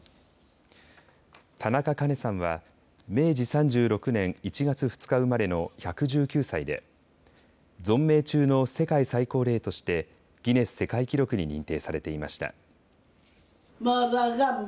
田中カ子さんは明治３６年１月２日生まれの１１９歳で存命中の世界最高齢としてギネス世界記録に認定されていました。